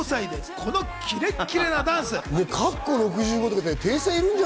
このキレッキレのダンス。